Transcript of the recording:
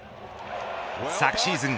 昨シーズン